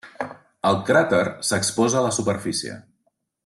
El cràter s'exposa a la superfície.